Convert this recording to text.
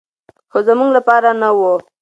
خو زموږ لپاره نه و.